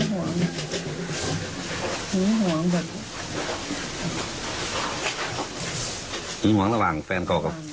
หงิ้งห่วงระหว่างแฟนเก่ากับ